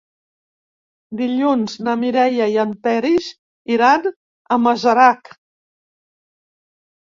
Dilluns na Mireia i en Peris iran a Masarac.